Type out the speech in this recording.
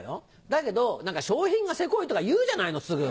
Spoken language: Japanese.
だけど何か賞品がセコいとか言うじゃないのすぐ。